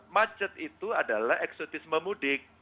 macet itu adalah eksotisme mudik